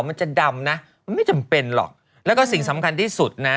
มันจะดำนะมันไม่จำเป็นหรอกแล้วก็สิ่งสำคัญที่สุดนะ